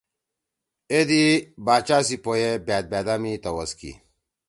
اے دی باچا سی پو ئے بأت بأدا می توَس کی: